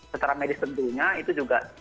secara medis tentunya itu juga